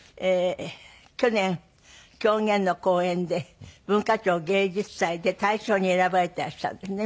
去年狂言の公演で文化庁芸術祭で大賞に選ばれていらっしゃるんですね。